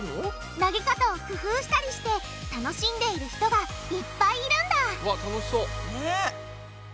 投げ方を工夫したりして楽しんでいる人がいっぱいいるんだわっ楽しそう。ね！